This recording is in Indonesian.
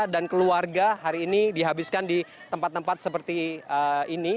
dan keluarga hari ini dihabiskan di tempat tempat seperti ini